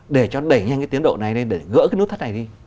để cho đẩy nhanh cái tiến độ này để gỡ cái nút thất này đi